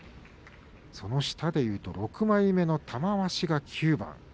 その下でいうと６枚目の玉鷲が９番。